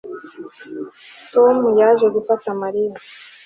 Tom yaje gufata Mariya